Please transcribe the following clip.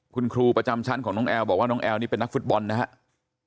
คุณครูประจำชั้นของน้องแอลบอกว่าน้องแอลนี่เป็นนักฟุตบอลนะครับ